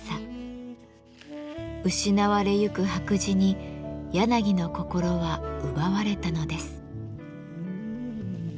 失われゆく白磁に柳の心は奪われたのです。